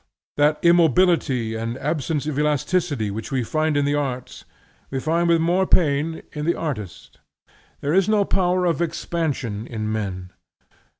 That immobility and absence of elasticity which we find in the arts, we find with more pain in the artist. There is no power of expansion in men.